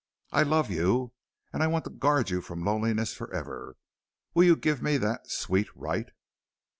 I love you, and I want to guard you from loneliness forever. Will you give me that sweet right?"